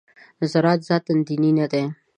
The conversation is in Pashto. زراعت ذاتاً دیني نه دی.